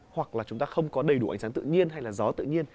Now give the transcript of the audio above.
hoặc là chúng ta không có đầy đủ ánh sáng tự nhiên hay là gió tự nhiên